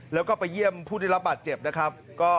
แล้วก็ไปเยี่ยมผู้ได้รับบาดเจ็บนะครับ